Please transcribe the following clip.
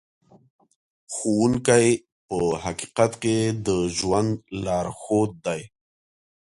ښوونکی په حقیقت کې د ژوند لارښود دی.